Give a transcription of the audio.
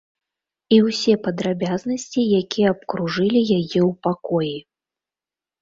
І ўсе падрабязнасці, якія абкружылі яе ў пакоі.